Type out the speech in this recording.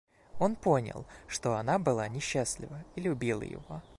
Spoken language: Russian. Он понял, что она была несчастлива и любила его.